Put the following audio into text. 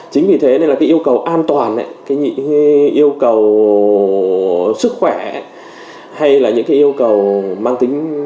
chính vì thế nên là cái yêu cầu an toàn cái yêu cầu sức khỏe hay là những cái yêu cầu mang tính